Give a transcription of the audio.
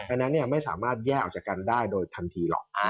อันนั้นไม่สามารถแยกออกจากกันได้โดยทันทีหรอก